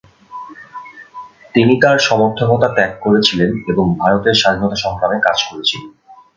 তিনি তার সমর্থকতা ত্যাগ করেছিলেন এবং ভারতের স্বাধীনতা সংগ্রামে কাজ করেছিলেন।